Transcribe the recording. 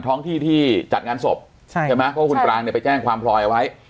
ท้องที่ที่จัดงานศพใช่ไหมเพราะว่าคุณปรางเนี่ยไปแจ้งความพลอยเอาไว้